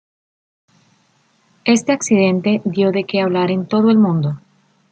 Este accidente dio de que hablar en todo el mundo.